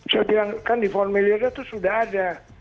saya bilang kan di formiliarnya itu sudah ada